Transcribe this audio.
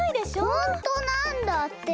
ほんとなんだって！